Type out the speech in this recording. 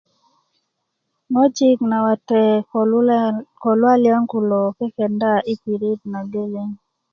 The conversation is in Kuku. ŋojik nawate ko lulali luwaliyan kulo kekenda yi pirit na geleŋ